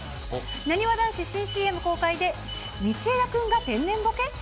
なにわ男子、新ＣＭ公開で、道枝君が天然ボケ？